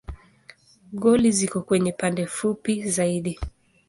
Goli ziko kwenye pande fupi zaidi.